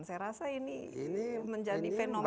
saya rasa ini menjadi fenomena